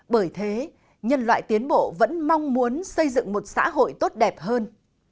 bởi thế nhân loại tiến bộ vẫn mong muốn xây dựng một xã hội tốt đẹp hơn